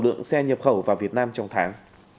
lượng xe nhập khẩu vào việt nam trong tháng